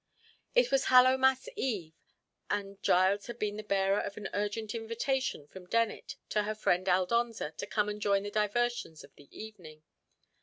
It was Hallowmas Eve, and Giles had been the bearer of an urgent invitation from Dennet to her friend Aldonza to come and join the diversions of the evening.